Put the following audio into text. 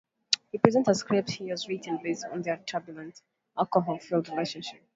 He presents a script he has written, based on their turbulent, alcohol-filled relationship.